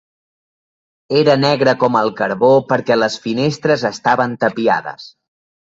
Era negre com el carbó perquè les finestres estaven tapiades.